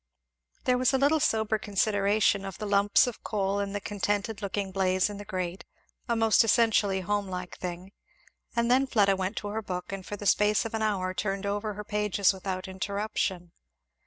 There was a little sober consideration of the lumps of coal and the contented looking blaze in the grate, a most essentially home like thing, and then Fleda went to her book and for the space of an hour turned over her pages without interruption.